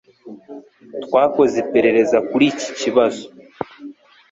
Twakoze iperereza kuri iki kibazo.